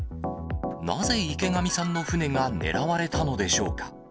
なぜ池上さんの船が狙われたのでしょうか。